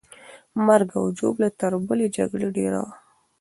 مرګ او ژوبله تر بلې جګړې ډېره وه.